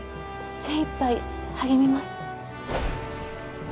精いっぱい励みます。